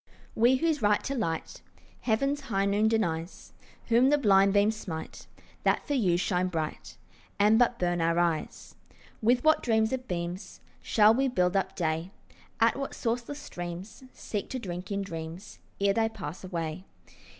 We whose right to light Heaven's high noon denies, Whom the blind beams smite That for you shine bright, And but burn our eyes, With what dreams of beams Shall we build up day, At what sourceless streams Seek to drink in dreams Ere they pass away?